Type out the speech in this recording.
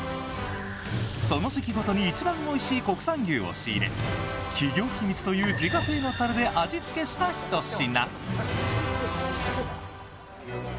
その時期ごとに一番おいしい国産牛を仕入れ企業秘密という自家製のたれで味付けしたひと品。